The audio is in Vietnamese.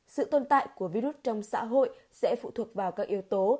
sự tồn tại của virus trong xã hội sẽ phụ thuộc vào các yếu tố